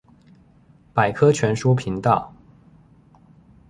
百科全書頻道